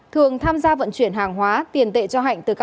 thường tham gia vận chuyển hàng hóa tiền tệ cho hạnh từ các